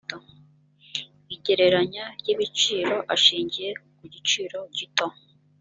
igereranya ry ibiciro ashingiye ku gaciro gito